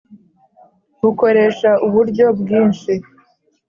bukoresha uburyo bwinshi